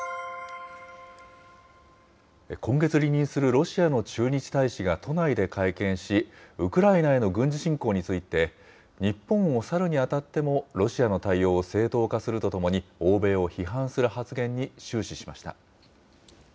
今月離任するロシアの駐日大使が都内で会見し、ウクライナへの軍事侵攻について、日本を去るにあたっても、ロシアの対応を正当化するとともに、欧米を批判する発言に終始しました。